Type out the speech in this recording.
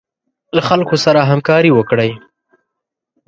له خلکو سره همکاري وکړئ.